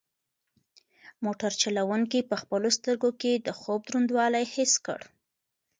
موټر چلونکي په خپلو سترګو کې د خوب دروندوالی حس کړ.